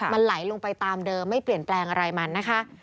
มันไหลลงไปตามเดิมไม่เปลี่ยนแปลงอะไรมันนะคะ